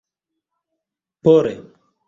pole